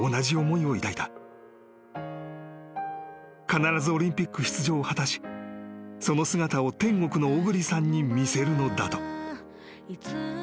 ［必ずオリンピック出場を果たしその姿を天国の小栗さんに見せるのだと］